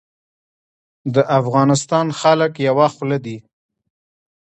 د افغانستان خلک یوه خوله دي